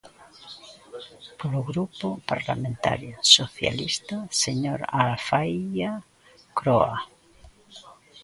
Polo Grupo Parlamentario Socialista, señor Alfaia Croa.